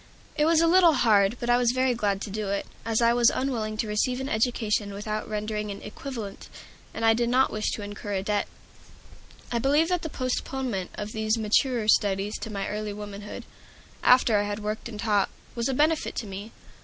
It was a little hard, but I was very glad to do it, as I was unwilling to receive an education without rendering an equivalent, and I did not wish to incur a debt. I believe that the postponement of these maturer studies to my early womanhood, after I had worked and taught, was a benefit to me.